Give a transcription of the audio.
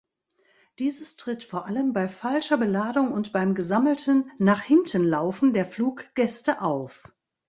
Dieses tritt vor allem bei falscher Beladung und beim gesammelten Nach-Hinten-Laufen der Fluggäste auf.